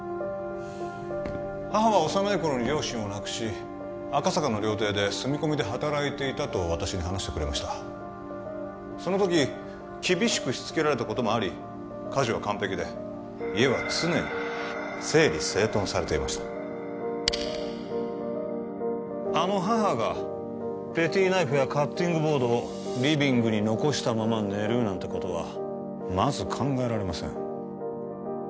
母は幼い頃に両親を亡くし赤坂の料亭で住み込みで働いていたと私に話してくれましたその時厳しくしつけられたこともあり家事は完璧で家は常に整理整頓されていましたあの母がペティナイフやカッティングボードをリビングに残したまま寝るなんてことはまず考えられません